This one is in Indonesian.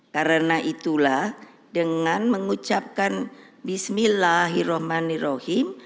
karena itulah dengan mengucapkan bismillahirrahmanirrahim